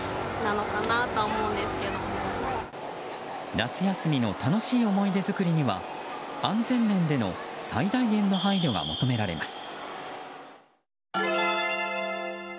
夏休みの楽しい思い出作りには安全面での最大限の配慮が求められます。